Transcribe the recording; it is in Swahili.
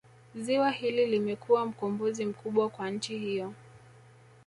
Ziwa hili limekuwa mkombozi mkubwa kwa nchi hiyo